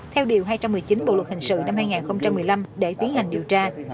theo điều hai trăm một mươi chín bộ luật hình sự năm hai nghìn một mươi năm để tiến hành điều tra